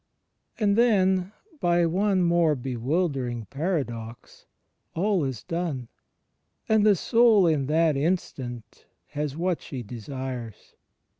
And then, by one more bewildering paradox, all is done; and the soul in that instant has what she desires.